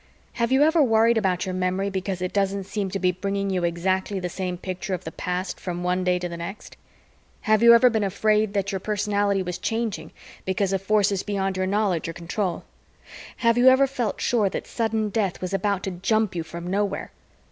Have you ever worried about your memory, because it doesn't seem to be bringing you exactly the same picture of the past from one day to the next? Have you ever been afraid that your personality was changing because of forces beyond your knowledge or control? Have you ever felt sure that sudden death was about to jump you from nowhere?